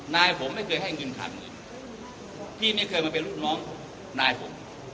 นายผมไม่เคยให้เงินขาดเงินพี่ไม่เคยมาเป็นลูกน้องนายผม